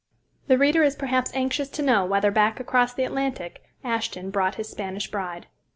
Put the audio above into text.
The reader is perhaps anxious to know whether back across the Atlantic, Ashton brought his Spanish bride.